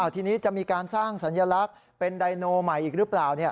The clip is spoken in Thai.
ทีนี้จะมีการสร้างสัญลักษณ์เป็นไดโนใหม่อีกหรือเปล่า